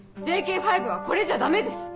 ＪＫ５はこれじゃダメです！